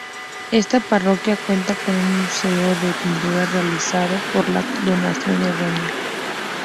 Esta parroquia cuenta con un museo de pintura realizado por la donación de Doña.